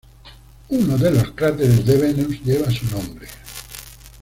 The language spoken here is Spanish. Uno de los cráteres de Venus lleva su nombre.